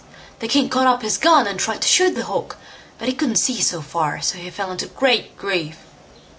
The king caught up his gun and tried to shoot the hawk, but he couldn't see so far, so he fell into great grief.